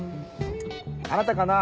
あなたかな？